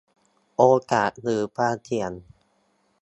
โอกาสหรือความเสี่ยง